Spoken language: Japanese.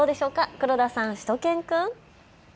黒田さん、しゅと犬くん。